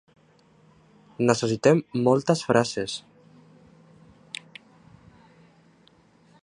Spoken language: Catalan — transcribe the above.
Necessitem moltes frases.